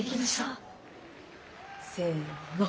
せの。